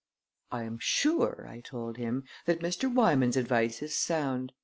"I am sure," I told him, "that Mr. Wymans' advice is sound.